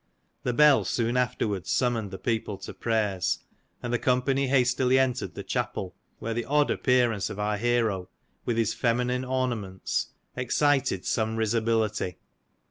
The bell soon afterwards summoned the people to prayers, and the company hastily entered the chapel, where the odd appearance of our hero, with his feminine ornaments, excited some risibility.